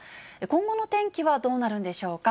今後の天気はどうなるんでしょうか。